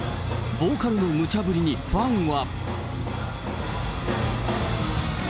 ボーカルのむちゃ振りにファンは。